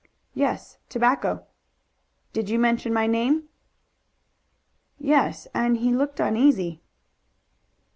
"Yes, tobacco." "Did you mention my name?" "Yes, and he looked uneasy."